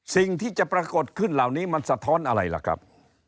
สิ่งที่จะปรากฏขึ้นเหล่านี้มันสะท้อนอะไรล่ะครับ